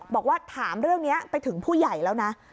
บอกว่าถามเรื่องนี้ไปถึงผู้ใหญ่แล้วนะ